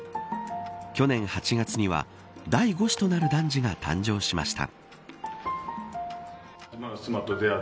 去年８月には第５子となる男児が誕生しました。